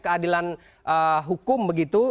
keadilan hukum begitu